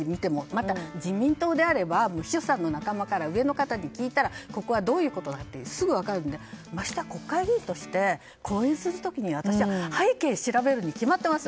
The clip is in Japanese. また、自民党であれば上の方に聞いたらここはどういうことだってすぐ分かるのでましてや国会議員として交流をする時に背景調べるに決まっています。